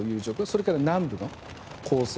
それから南部の攻勢。